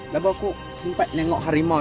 lalu aku sempat nengok hari mau